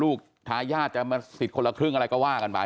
ทายาทจะมาสิทธิ์คนละครึ่งอะไรก็ว่ากันไป